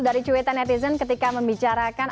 dari cuitan netizen ketika membicarakan